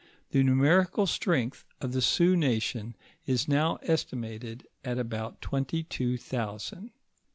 The numerical strength of the Sioux nation h now estimated at about twenty two thousand.